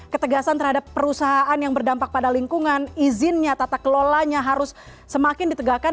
ketegasan terhadap perusahaan yang berdampak pada lingkungan izinnya tata kelolanya harus semakin ditegakkan